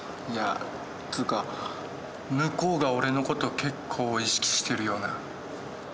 いやつうか向こうが俺の事結構意識してるような。